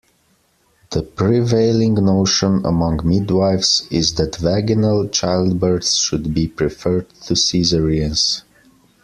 The prevailing notion among midwifes is that vaginal childbirths should be preferred to cesareans.